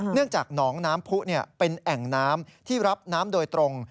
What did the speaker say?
จากหนองน้ำผู้เป็นแอ่งน้ำที่รับน้ำโดยตรง